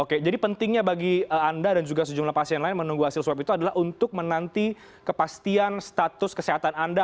oke jadi pentingnya bagi anda dan juga sejumlah pasien lain menunggu hasil swab itu adalah untuk menanti kepastian status kesehatan anda